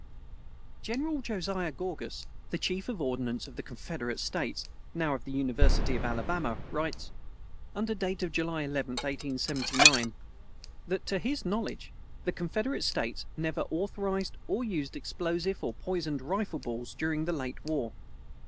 General Josiah Gorgas, the Chief of Ordnance of the Confederate States now of the University of Alabama writes, under date of July 11th, 1879, that to his "knowledge the Confederate States never authorized or used explosive or poisoned rifle balls during the late war."